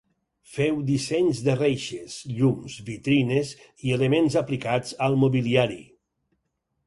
Féu dissenys de reixes, llums, vitrines i elements aplicats al mobiliari.